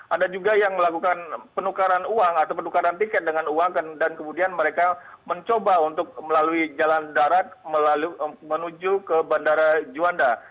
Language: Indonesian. ada juga yang melakukan penukaran uang atau penukaran tiket dengan uang dan kemudian mereka mencoba untuk melalui jalan darat menuju ke bandara juanda